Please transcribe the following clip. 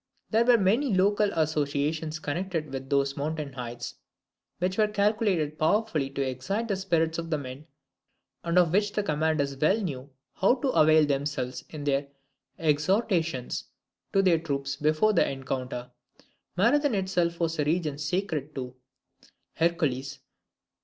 There were many local associations connected with those mountain heights, which were calculated powerfully to excite the spirits of the men, and of which the commanders well knew how to avail themselves in their exhortations to their troops before the encounter. Marathon itself was a region sacred to; Hercules.